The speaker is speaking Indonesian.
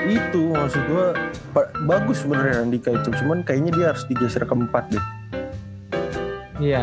itu maksud gue bagus beneran di kayak cuman kayaknya dia harus digeser keempat deh iya